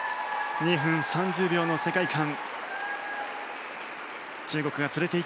２分３０秒の世界観。